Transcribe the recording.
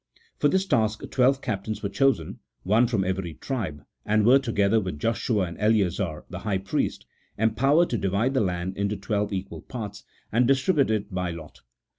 For this task twelve captains were chosen, one from every tribe, and were, together with Joshua and Eleazar, the high priest, empowered to divide the land into twelve equal parts, and distribute it by lot.